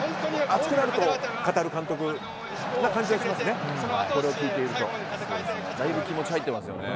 熱くなると語る監督な感じがしますね。